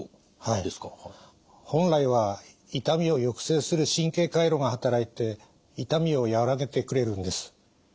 本来は痛みを抑制する神経回路が働いて痛みを和らげてくれるんです。